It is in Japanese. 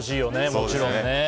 もちろんね。